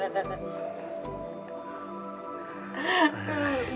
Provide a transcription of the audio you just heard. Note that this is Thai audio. ลูก